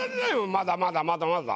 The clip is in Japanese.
まだまだまだまだ。